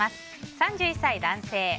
３１歳、男性の方。